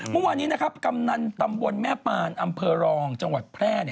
เมื่อวานนี้นะครับกำนันตำบลแม่ปานอำเภอรองจังหวัดแพร่